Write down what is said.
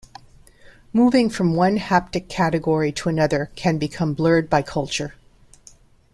Moving from one haptic category to another can become blurred by culture.